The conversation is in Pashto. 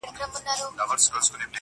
او که هسي شین امي نیم مسلمان یې.!